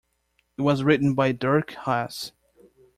It was written by Dirk Hasse.